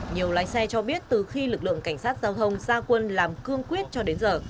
nhiều lái xe cho biết từ khi lực lượng cảnh sát giao thông ra quân làm cương quyết cho đến giờ